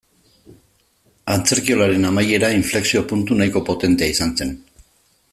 Antzerkiolaren amaiera inflexio-puntu nahiko potentea izan zen.